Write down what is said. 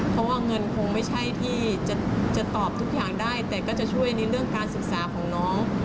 เพราะว่าเงินคงไม่ใช่ที่จะตอบทุกอย่างได้แต่ก็จะช่วยในเรื่องการศึกษาของน้อง